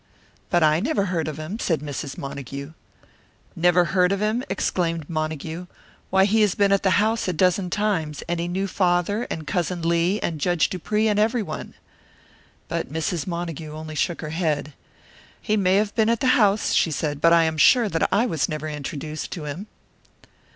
"But I never heard of him," said Mrs. Montague. "Never heard of him!" exclaimed Montague. "Why, he has been at the house a dozen times, and he knew father and Cousin Lee and Judge Dupree and everyone." But Mrs. Montague only shook her head. "He may have been at the house," she said, "but I am sure that I was never introduced to him."